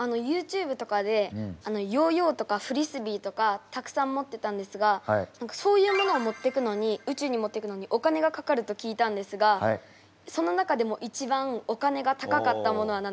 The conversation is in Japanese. ＹｏｕＴｕｂｅとかでヨーヨーとかフリスビーとかたくさん持ってたんですがそういうものを宇宙に持っていくのにお金がかかると聞いたんですがその中でも一番お金が高かったものは何ですか？